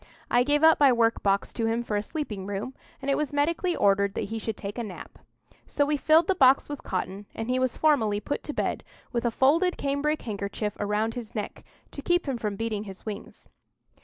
I gave up my work box to him for a sleeping room, and it was medically ordered that he should take a nap. So we filled the box with cotton, and he was formally put to bed, with a folded cambric handkerchief round his neck, to keep him from beating his wings.